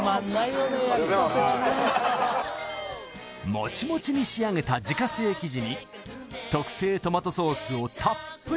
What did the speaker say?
もちもちに仕上げた自家製生地に特製トマトソースをたっぷりと塗り